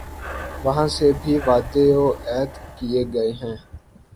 وہاں سے بھی وعدے وعید کیے گئے ہیں۔